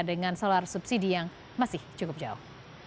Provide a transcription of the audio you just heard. dengan solar subsidi yang masih cukup jauh